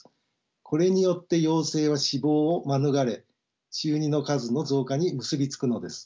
これによって幼生は死亡を免れ稚ウニの数の増加に結び付くのです。